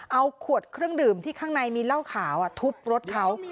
เอาขวดเครื่องดื่มที่ข้างในมีเหล้าขาวทุบรถเขา